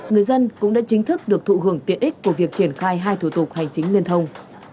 người dân cũng đã chính thức được thụ hưởng tiện ích của việc triển khai hai thủ tục hành chính liên thông